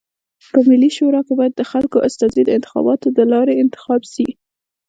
په ملي شورا کي بايد د خلکو استازي د انتخاباتو د لاري انتخاب سی.